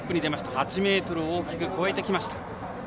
８ｍを大きく超えてきました。